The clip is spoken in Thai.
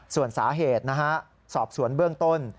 ส่วนสาเหตุนะฮะสอบสวนเบื้องต้น